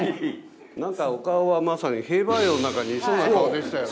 何かお顔はまさに兵馬俑の中にいそうな顔でしたよね。